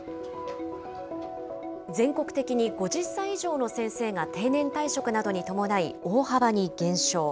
全国的に５０歳以上の先生が定年退職などに伴い、大幅に減少。